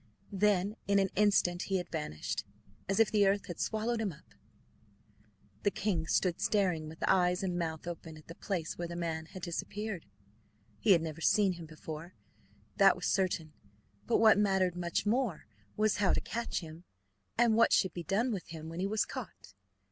Then in an instant he had vanished, as if the earth had swallowed him up. The king stood staring with eyes and mouth open at the place where the man had disappeared. He had never seen him before, that was certain; but what mattered much more was how to catch him, and what should be done with him when he was caught?